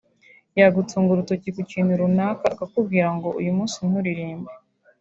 yagutunga urutoki ku kintu runaka akakubwira ngo uyu munsi nturirimbe